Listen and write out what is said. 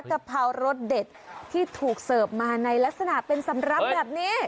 กะเพรารสเด็ดที่ถูกเสิร์ฟมาในลักษณะเป็นสำหรับแบบนี้